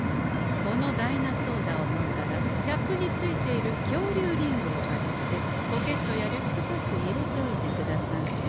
このダイナソーダを飲んだらキャップについているきょうりゅうリングを外してポケットやリュックサックに入れておいてくださんせ。